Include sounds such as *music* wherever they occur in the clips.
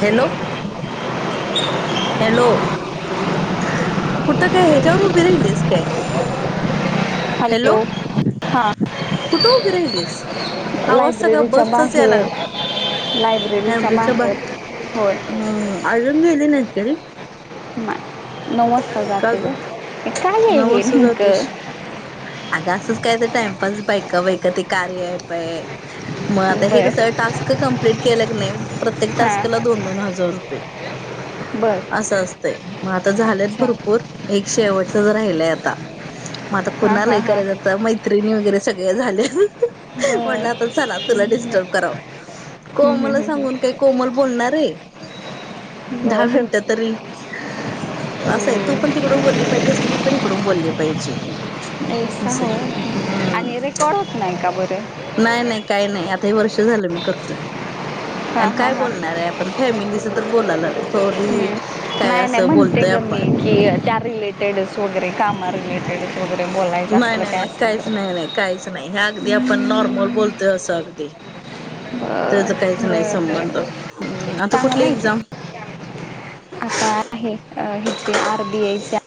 Hello *inaudible* hello, कुठ काय हच्यावर उभी राहिलीस काय? हॅलो हां कुठे उभी राहिलीस. आवाज सगळा बसचाच याय लागलाय. लयब्ररीच्या बाहेर. होय हम्म अजून गेली नाहीस का रे नाय, नऊ वाजता जाते ग. काय आहे हे नेमक? अग असच काय तर टाइमपास. बायका बायका ते कार्या ऍप आहे. मग आता हे कस बर टास्क कंप्लीट केल की नाही प्रत्येक टास्कला हां दोन दोन हजार रुपये. बर अस असतय मग आता झालेत अच्छा भरपूर. एक शेवटचाच राहिलाय आता. मग आता हां हां कुणालाही हां करायच आता मैत्रिणी वगैरे सग ळ्या झाल्या. म्हटल बर आता चला तुला डिस्टर्ब कराव. हम्म, हम्म, कोमलला हम्म, सांगून काय कोमल बोलणार आहे. हम्म. दहा बर मिनट तरी असाय तू पण हम्म, तिकडून बोलली पाहिजेस. मी पण इकडून बोलली पाहिजे. अस आहे. हम्म ते कळत नाही का बर. नाही नाही काही नाही, आता हे वर्ष झाल मी करतोय. हां आणि हां काय हां बोलणार आहे आपण. फॅमिलीच तर बोलायलो. थोडी काय अस बोलतोय. आपण कि त्या रिलेटेडच वगैरे कामा रिलेटेडच वगैरे. बोलायचं नाही असलं नाही काय नाही असलं काहीच तर नाही नाही काहीच हे अगदी आपण नॉर्मल बोलतोय अस अगदी. बर त्याचा काहीच नाही बर संबंध. बर आता कुठली चांगलं आहे की एक्झाम. आता हे ह्याची आरबीआयच्या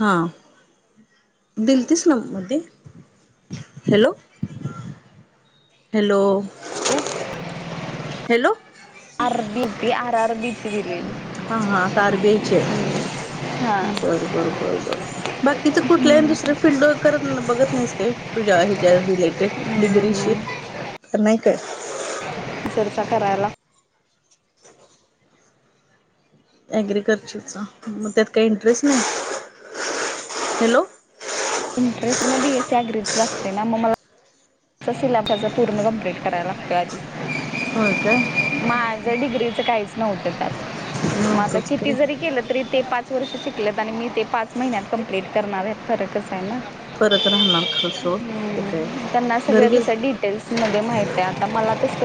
हा बिलतीस ना मध्ये. हॅलो हॅलो *unintelligible* हॅलो आरबीची आर‌आरबीची दिली. हम्म बर बर बर बर बाकीच कुठल्या दुसरे फिल्ड करत बघत नाहीस काय? तूझ्या हिच्या रिलेटेड डिग्रीशी नाही काय? चर्चा करायला. ॲग्रिकल्चरचा. मग त्यात काही इंटरेस्ट नाही. हॅलो इंटरेस्ट बीएसी अग्रीच जास्त आहे ना मग मला तिचा सिलाफचा पूर्ण कंप्लीट करायला लागतो आधी. होय काय. माझ डिग्रीच काहीच नव्हत त्यात. मग आता नव्हतंच किती काय जरी केल तरी ते पाच थोडशा शिकल्यात. आणि मी ते पाच महिन्यात कम्प्लिंट करणार आहे. फरकच आहे ना फरक राहणार खरच हो. ते काय घरी सगळ्या गेल तस डिटेल्समध्ये माहित आहे. आता मला तस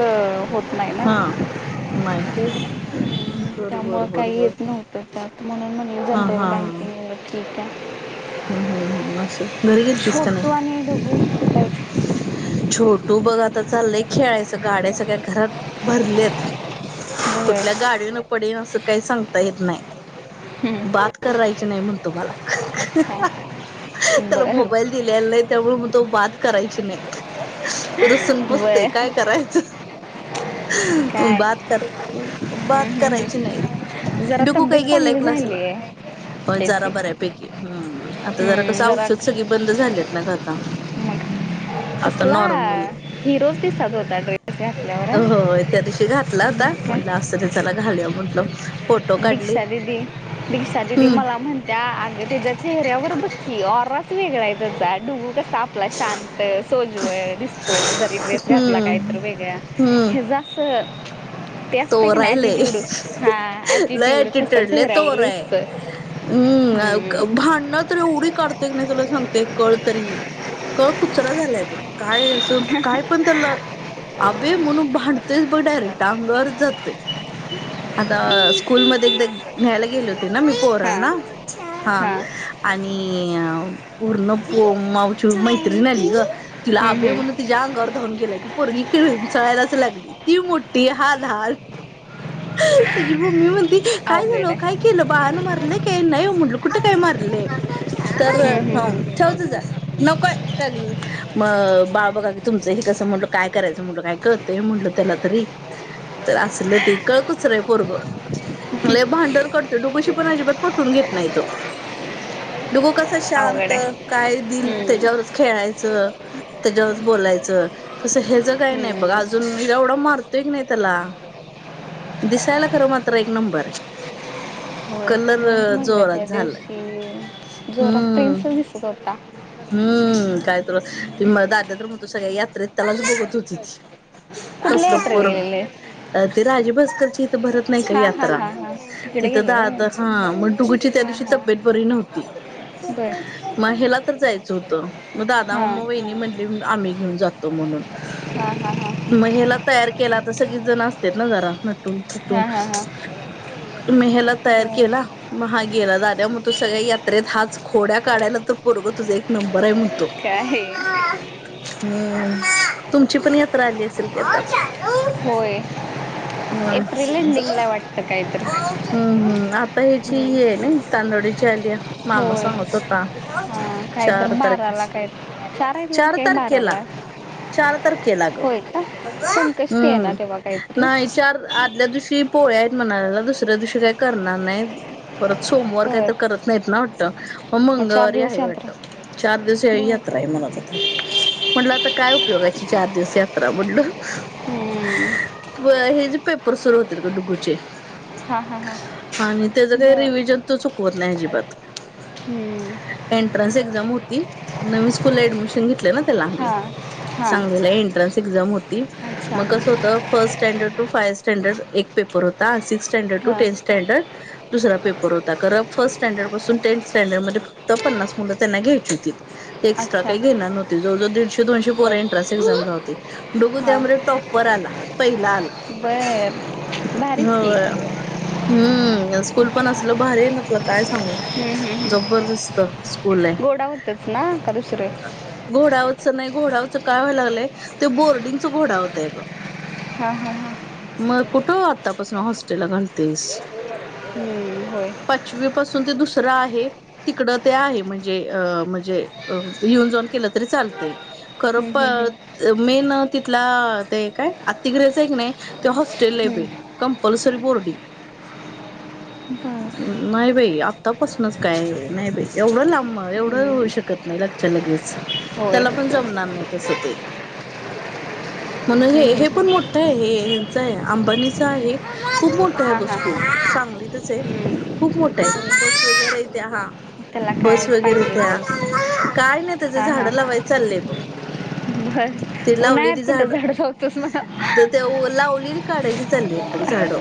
होत नाही ना हा मायकेट हम्म, त्यामुळं बरोबर काही बरोबर. येत नव्हतं म्हणून म्हणल जनरल बँकिंग ठीक आहे. हम्म हम्म हम्म अस, घरी गेलतीस का छोटू नाही? आणि ढबू कुठं आहेत छोटू बघ आता चाललय खेळायच गाड्या सगळ्या घरात. भरलेत बर कुठल्या गाडी हून पडेन अस काही सांगता येत नाही. हम्म, बात करायची नाही म्हणतो मला. अच्छा त्याला बर मोबाईल दिलेला नाही त्यामुळ म्हणतो बात करायची नाही. रुसून बसतोय बर काय करायच? काय बात करायची बात हम्म, हम्म, करायची हम्म. नाही. जरा डुग्गु तब्येत काय गेलाय चांगली क्लासला झाली आहे होय त्याची जरा बऱ्यापैकी. हम्म आता जरा कस औषध सगळी बंद झालेत ना ग आता. मग आता कसला नॉर्मल हिरोच दिसत होता ड्रेस घातल्यावर हं? होय. त्या दिवशी घातला होता मग म्हटल काय असूदे तर चला घालुया म्हंटल. दीक्षा दिदी दीक्षा दिदी हम्म मला म्हणत्या आग त्याच्या चेहऱ्यावर बघकी औरा वेगळाय त्यांचा डुग्गु कसा शांत सोजवळ दिसतो जरी ड्रेस घातला काय हम्म तर वेगळा हम्म ह्याचा हम्म ते असतय कीनाय तोराय लय ॲटिट्यूड हां लय एटीट्यूड तसा ॲटिट्यूड लय चेहर्‍यावर तोराय दिसतोय. हम्म भांडण तर एवढी काढतोय कनाय तुला सांगते कळ तरी. कळ कुचरा झालाय बघ काय अस काय पण पण त्याला आभे म्हणून भांडतयच बघ डायरेक्ट अंगावरच जातय. आता स्कूल मध्ये एकदा न्यायला गेली होती ना मी हां पोरांना हां आणि पूर्ण माऊची मैत्रीणय ग तिला हम्म, आभे हम्म. म्हणून तिच्या अंगावर धावून गेलाय ती पोरगी किंचाळायलाच लागली ती मोठी हा लहान. तुझी मम्मी म्हणाली काय झाल अवघड ओ आहे काय केल बाळान मारलय काय नाही ओ म्हटल कुठे काय मारलय. तर हम्म, हम्म, हां हम्म. ठेव तिथ. नकोय मग बाळ बघा की तुमच हे कस म्हणल काय करायच म्हणतो काय कर. ते म्हणल त्याला तरी. तर असल ते कळ कुचरय पोरग लय भांडण त्या डुग्गुशी पण अजिबात पटवून घेत नाही तो डुग्गु कस- कसा शांत अवघड आहे काय देईल हम्म, त्याच्यावरच. खेळायच त्याच्यावरच बोलायच तस ह्याच काही नाही बघा हम्म. अजून मी एवढ मारत ते की नाही त्याला. दिसायला खर मात्र एक नंबर आहे. होय कलर म्हणूनच म्हटलं जोरात त्या झालाय दिवशी जोरात हम्म. प्रिन्स दिसत होता हम्म कायतर मग दाद्या तर म्हणतो सगळ्या यात्रेत. त्यालाच बघत होती कुठल्या कसल यात्रेला पोरग गेलेले ते दाजी बस आमच्या इथ भरत नाही काही हा हा यात्रा हा हा तिकडे तिथ गेलेलो दादा होय. हां मग डुग्गूची त्या हा दिवशी हा तब्येत बरी नव्हती. बर मग ह्याला तर जायच होत मग दादा हा म त्यांनी म्हणाले मग आम्ही घेऊन जातो. हा हा मग ह्याला तयार केला तर सगळीचजण असतात ना जरा. तून हा हा हा हा मग ह्याला तयार केला बर मग हा गेला लाद्या म्हणतो सगळ्या यात्रेत हाच खोड्या काढायला तर पोरग तुझ एक नंबर आहे म्हणतो. काय हम्म तुमची पण यात्रा आली असेल की आता. होय एप्रिल एंडिंगला आहे वाटत काहीतरी. हम्म हम्म आता ह्याचीये ना तांदोडीची आलीया. मामा होय सांगत होता हा काहीतर चार तारीख बाराला काय चार ही लाख, एक बारा ला चार तारखेला ग, होय का संकष्टी आहे ना हम्म तेव्हा काहीतरी नाई चार आदल्या दिवशी पोळ्या आहेत म्हणाल्याला, दुसऱ्या दिवशी काय करणार नाहीत. परत सोमवार काय बर तो करत नाहीत ना वाटतं म मग चार मंगळवारी दिवस हाय यात्रा वाटत. चार दिवसा ई यात्रा बर हाय म्हणत होता म्हणलं आता काय उपयोगाची चार दिवस यात्रा म्हटलं, हम्म व्हय हेज पेप पर सुरू होतील ग डुगूचे हा हा हा आणि त्याज काय बर रिव्हजन तो चुकवत नाय अजिबात हम्म एंट्रन्स एक्झाम होती. नवीन स्कूल ऍडमिशन घेतलय ना त्याला हा आम्ही हा सांगलीला एंट्रन्स एक्झाम होती. अच्छा म कसं होत, first standard to five standard एक पेपर होता. अनं सिक्स स्टँडर्ड टू हा टेन स्टँडर्ड दुसरा पेपर होता. खरं फर्स्ट स्टँडर्ड पासून टेन्थ स्टँडर्डमध्ये फक् क्त पन्नास मुलं त्यांना घ्यायची होतीतं. ते एक्स्ट्रा अच्छा काय घेणार नव्हती. जवळजवळ दीडशे दोनशे पोरं बर एंट्रन्स एक्झामला होती. डुगु हां त्यामध्ये टॉपर आला. पहिला आला. व्हय, भारीच की, होय हम्म, स्कूल पण असल भारी ये ना, तुला काय सांगू हम्म, हम्म, हम्म. जबरदस्त स्कूल ये. गोडावतच ना का दुसरं अ घोडावरचं नाय, घोडावरचं काय व्हाय लागलंय, ते बोर्डिंगच घोडावतय अग हा हा हा म कुठं आतापासून हॉस्टेलला घणतेस. हम्म, होय पण शुवे पासून ते दुसरा आहे तिकडं ते आहे, म्हणजे अ म्हणजे यिऊन जाऊन केलं तरी चालतंय. खरं हम्म, हम्म, हम्म. पत मेन अ तिथला ते काय अतिग्रह ये, कणय, ते हॉस्टेल हाय बय हम्म. कंपल्सरी बोर्डिंग हूं काय नाय बई, आतापासनच काय नाय बई एवढ लांब, एवढं हम्म, होऊ शकत नाय. लगच्यालगेच होय त्याला पण जमणार नाय तसं ते, म्हणून हम्म, हे, हम्म, हे पण हम्म. मोठ ठ ये हेंच आय. आंबानीच आहे. खूप मोठ काही हां हां गोष्टी, सांगलीतच ये, हम्म, खूप मोठ ये. होय बस वगैऱ्या येत्या हा त्याला बस कायच वगैरे पाहिजे येत्या. झालं काय नाय त्याच झाडं लावाय चाललंय बघ काय उन्हाळ्यात कुठं झाड लावतोस म्हणा त ते ओ लावलेली काढायची चाललीयेत बघ झाड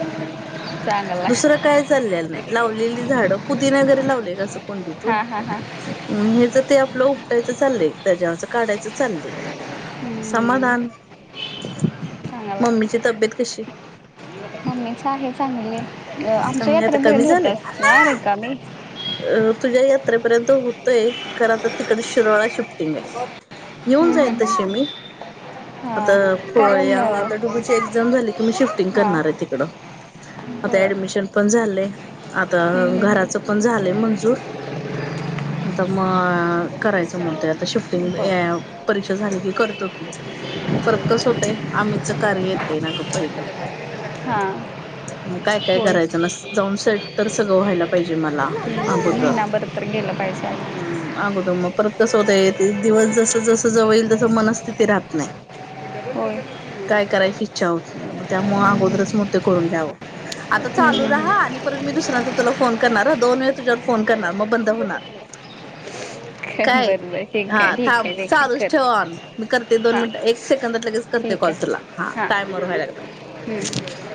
चांगला दुसरं काय चाललेलं नाय. लावलेली झाडं, पुदिना जरी लावलेला असो कुंडीतून. हां हां हां म ह्याज ते आपलं उपटायचं चाललय. त्याच्यावरच काढायचं चाललंय. समाधान, हम्म, मम्मीची तब्बेत कशी मम्मीच ये. चांगली ये, आमच्या चांगली यात्रे आता कमी पर्यंत होत्यास झालंय ना रिकामी अ तुझ्या यात्रेपर्यंत होतोय. खरं आता तिकड शिरोलळा शिफ्टिंग आय. *unintelligible* येऊन हम्म, जाईन हम्म, हम्म. तशी मी, आता हां पु कारण या आता डुबूची एक्झाम झाली की मी शिफ्टिंग हां करणार ये तिकडं. आता बरं ऍडमिशन पण झालंय. आता घराचं पण झालंय मंजूर. आता मग, करायचं म्हणतोय आता शिफ्टिंग बरं परीक्षा झाली की करतो की परक कस होतय आमितच कार्य येते ना ग एट *unintelligible* हां *unintelligible* मग काय, काय होय करायचं नस जाऊन सेट तर सगळं व्हायला पाहिजे मला अगोदर गेल पाहिजे आगोदर. हम्म, अगोदर मग परत कसं होतय ते दिवस जस, जस दिवस जवळ येईल तस मनस्थिती राहत नाही. कच्च *inaudible* होय. काय करायची इच्छा होत नाही मग त्यामूळ अगोदरच मग ते करून घ्यावं. आता चालू हम्म, रहा आणि परत मी दुसऱ्यांदा तुला फोन करणार दोन वेळ तुझ्यावर फोन करणार मग बंद होणार. हम्म. काय बरं बरं ठीक हा आहे ठीक थांब आहे ठीक आहे चालूच कर ठेव ऑन मी करते दोन हां मिनिटं एक सेकंदात लगेच करते ठीक कॉल तुला हा. आहे टाइमवर व्हायला लागलं. *unintelligible* *unintelligible*